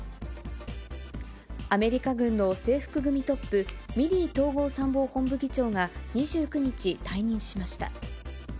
アメリカ軍の制服組トップ、ミリー統合参謀本部議長が２９日、退任しました。